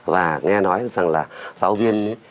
và nghe nói rằng là giáo viên